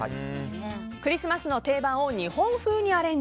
クリスマスの定番を日本風にアレンジ！